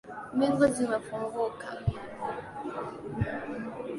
Mbingu zimefunguka